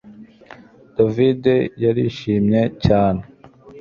David yarishimye cyane